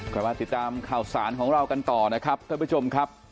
กลับมาติดตามข่าวสารของเรากันต่อนะครับท่านผู้ชมครับ